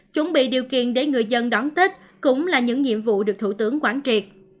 chuẩn bị điều kiện để người dân đón tết cũng là những nhiệm vụ được thủ tướng quán triệt